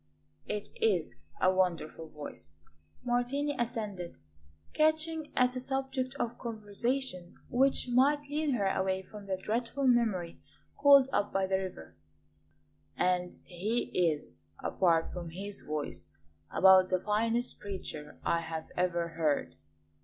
"It is a wonderful voice," Martini assented, catching at a subject of conversation which might lead her away from the dreadful memory called up by the river, "and he is, apart from his voice, about the finest preacher I have ever heard.